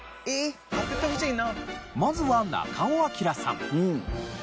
まずは中尾彬さん。